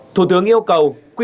thủ tướng yêu cầu